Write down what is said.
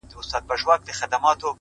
زه د بـلا سـره خـبري كـوم _